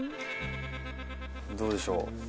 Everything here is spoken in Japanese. どうでしょう？